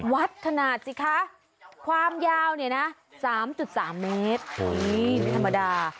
วัดขนาดสิคะความยาวเนี่ยนะ๓๓เมตรไม่ธรรมดา